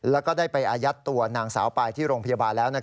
แล้วก็ได้ไปอายัดตัวนางสาวปายที่โรงพยาบาลแล้ว